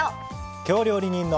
京料理人の。